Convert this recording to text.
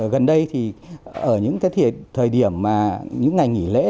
gần đây thì ở những cái thời điểm mà những ngày nghỉ lễ